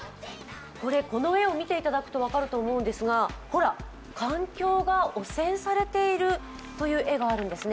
この絵を見ていただくと分かると思うんですが環境が汚染されているという絵があるんですね。